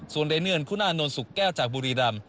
ส่วนเดเนียนคุณอานนท์สุกแก้วจากบุรีรำ